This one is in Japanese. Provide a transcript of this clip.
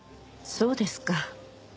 そうですか。